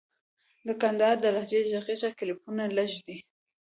د کندهار د لهجې ږغيز کليپونه لږ دي.